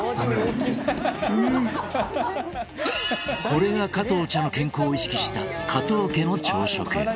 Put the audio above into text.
これが加藤茶の健康を意識した加藤家の朝食。